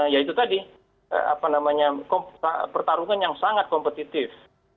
ya itu tadi pertarungan yang sangat kompetitif